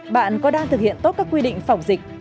bạn có đang thực hiện tốt các quy định phòng dịch